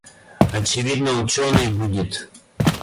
Очевидно, ученый будет.